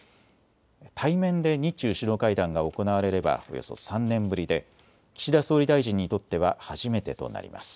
対面で日中首脳会談が行われればおよそ３年ぶりで岸田総理大臣にとっては初めてとなります。